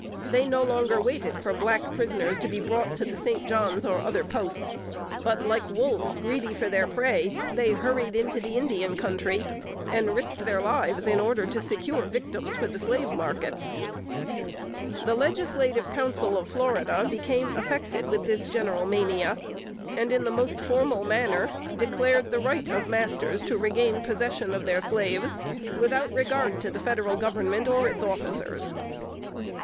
They no longer waited for black prisoners to be brought to the St. John's, or other posts, but like wolves greedy for their prey, they hurried into the Indian Country, and risked their lives in order to secure victims for the slave markets. The Legislative Council of Florida became affected with this general mania, and in the most formal manner declared the right of masters to regain possession of their slaves, without regard to the Federal Government or its officers.